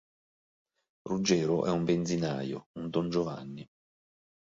Ruggero è un benzinaio, un dongiovanni.